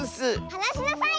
はなしなさい！